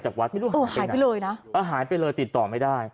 และกลับไป